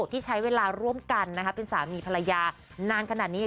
ที่ใช้เวลาร่วมกันเป็นสามีภรรยานานขนาดนี้